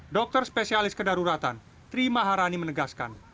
dokter spesialis kedaruratan tri maharani menegaskan